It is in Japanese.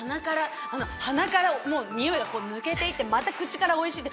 鼻から匂いが抜けて行ってまた口からおいしくて。